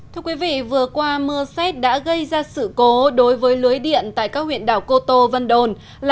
thưa quý vị vừa qua mưa xét đã gây ra sự cố đối với lưới điện tại các huyện đảo cô tô vân đồn